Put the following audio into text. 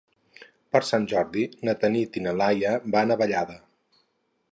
Per Sant Jordi na Tanit i na Laia van a Vallada.